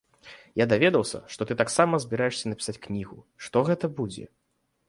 Я даведаўся, што ты таксама збіраешся напісаць кнігу, што гэта будзе?